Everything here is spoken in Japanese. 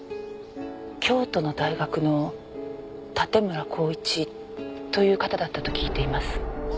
京都の大学の盾村孝一という方だったと聞いています。